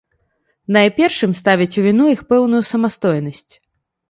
Найперш ім ставяць у віну іх пэўную самастойнасць.